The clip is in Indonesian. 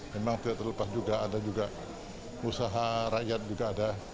memang tidak terlepas juga ada juga usaha rakyat juga ada